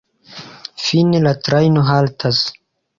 Fine la trajno haltas.